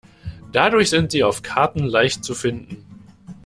Dadurch sind sie auf Karten leicht zu finden.